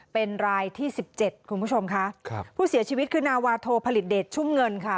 เป็นรายที่๑๗คุณผู้ชมค่ะครับผู้เสียชีวิตคือนาวาโทผลิตเดชชุ่มเงินค่ะ